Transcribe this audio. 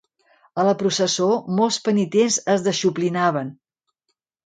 A la processó, molts penitents es deixuplinaven.